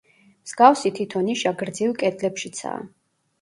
მსგავსი თითო ნიშა გრძივ კედლებშიცაა.